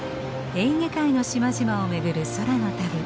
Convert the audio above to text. エーゲ海の島々を巡る空の旅。